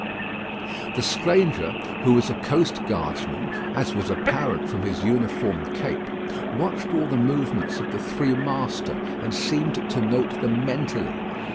The stranger, who was a coast guardman, as was apparent from his uniform cape, watched all the movements of the three master, and seemed to note them mentally.